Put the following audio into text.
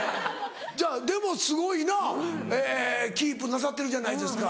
でもすごいなキープなさってるじゃないですか。